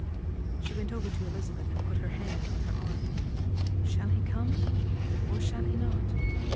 She went over to Elizabeth and put her hand on her arm. "Shall he come, or shall he not?